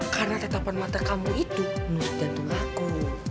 karena tetapan mata kamu itu menusuk jantung aku